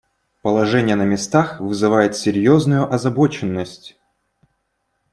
Положение на местах вызывает серьезную озабоченность.